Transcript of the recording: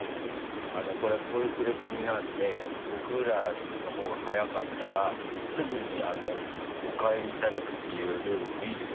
これこういう触れ込みなんで僕らのほうが速かったらすぐにお帰りいただくっていうルールでもいいですか？